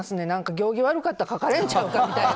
行儀悪かったら書かれんちゃうかみたいな。